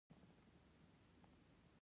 د پانګې د دوران درې پړاوونه مشخص دي